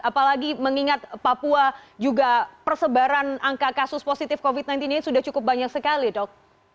apalagi mengingat papua juga persebaran angka kasus positif covid sembilan belas ini sudah cukup banyak sekali dok